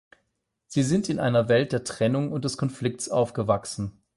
Sie sind in einer Welt der Trennung und des Konflikts aufgewachsen.